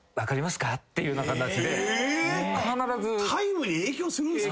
タイムに影響するんですか？